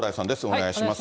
お願いします。